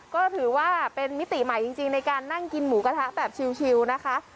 ก็ถือว่าเป็นมิติใหม่จริงในการนั่งกินหมูกระทะแบบชิลนะคะ